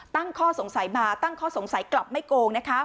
ตั้งข้อสงสัยมาตั้งข้อสงสัยกลับไม่โกงนะคะ